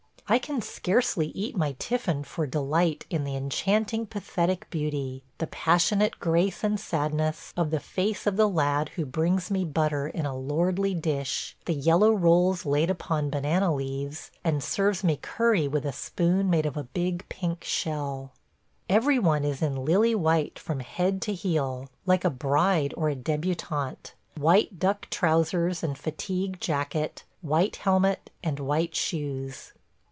I can scarcely eat my tiffin for delight in the enchanting pathetic beauty, the passionate grace and sadness, of the face of the lad who brings me butter in a lordly dish, the yellow rolls laid upon banana leaves, and serves me curry with a spoon made of a big pink shell. Every one is in lily white from head to heel, like a bride or a débutante – white duck trousers and fatigue jacket, white helmet, and white shoes.